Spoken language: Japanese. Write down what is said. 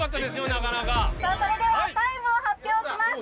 なかなかそれではタイムを発表します